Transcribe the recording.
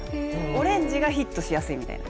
オレンジがヒットしやすいみたいな。